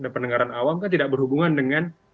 pendengaran awam kan tidak berhubungan dengan